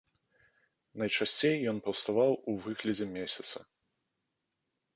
Найчасцей ён паўставаў у выглядзе месяца.